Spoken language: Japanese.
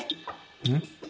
うん？